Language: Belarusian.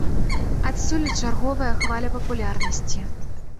Адсюль і чарговая хваля папулярнасці.